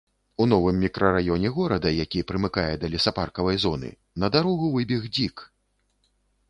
У новым мікрараёне горада, які прымыкае да лесапаркавай зоны, на дарогу выбег дзік.